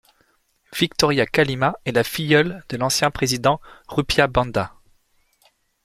Victoria Kalima est la filleule de l'ancien président Rupiah Banda.